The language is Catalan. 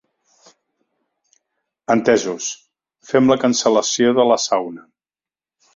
Entesos, fem la cancel·lació de la sauna.